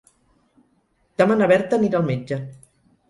Demà na Berta anirà al metge.